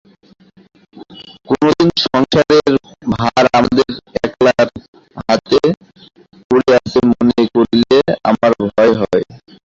কোনোদিন সংসারের ভার আমার একলার হাতে পড়িয়াছে মনে করিলে আমার ভয় হয়।